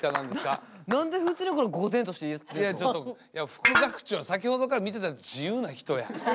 副学長は先ほどから見てたら自由な人や。